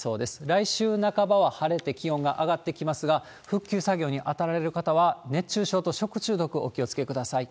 来週半ばは晴れて、気温が上がってきますが、復旧作業に当たられる方は熱中症と食中毒、お気をつけください。